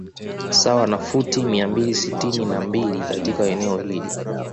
Sawa na futi mia mbili sitini na mbili katika eneo hili